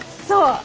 そう！